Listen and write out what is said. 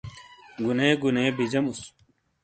گُنے گُنے بجیموس۔